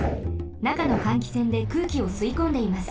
なかの換気扇で空気をすいこんでいます。